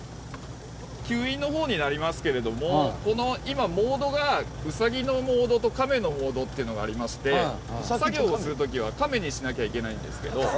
吸引の方になりますけれどもこの今モードがウサギのモードとカメのモードっていうのがありまして作業をする時はカメにしなきゃいけないんですけど。